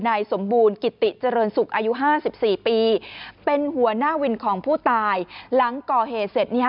นายสมบูรณ์กิติเจริญศุกร์อายุห้าสิบสี่ปีเป็นหัวหน้าวินของผู้ตายหลังก่อเหตุเสร็จเนี่ย